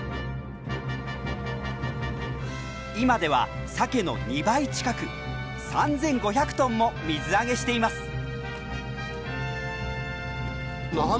今ではサケの２倍近く３，５００トンも水揚げしています。